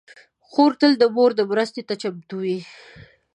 خور تل د مور مرستې ته چمتو وي.